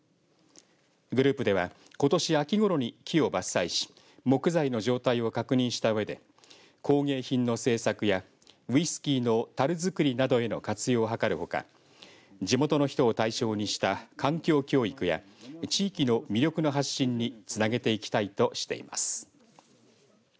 グループではことし秋ごろに木を伐採し木材の状態を確認した上で工芸品の制作やウイスキーのたる造りなどへの活用を図るほか地元の人を対象にした環境教育や地域の魅力の発信につなげていきたいとしています。